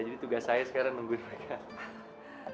jadi tugas saya sekarang nungguin mereka